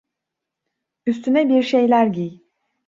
Üstüne bir şeyler giy.